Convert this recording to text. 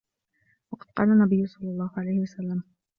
وَقَدْ قَالَ النَّبِيُّ صَلَّى اللَّهُ عَلَيْهِ وَسَلَّمَ